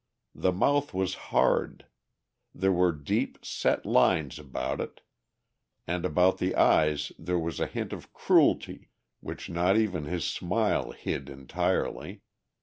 The mouth was hard, there were deep, set lines about it and about the eyes there was a hint of cruelty which not even his smile hid entirely.